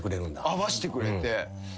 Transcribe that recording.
合わしてくれて。